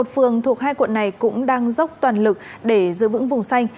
một mươi một phường thuộc hai quận này cũng đang dốc toàn lực để giữ vững vùng xanh